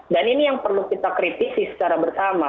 dan ini yang perlu kita kritis secara bersama